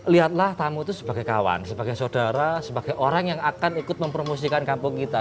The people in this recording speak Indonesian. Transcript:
lihatlah tamu itu sebagai kawan sebagai saudara sebagai orang yang akan ikut mempromosikan kampung kita